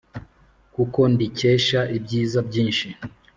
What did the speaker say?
kuko ndikesha ibyiza byinshi.